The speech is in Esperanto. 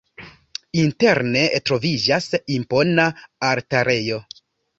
Interne troviĝas impona altarejo.